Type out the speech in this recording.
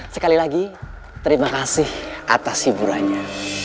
sekali lagi terima kasih atas hiburannya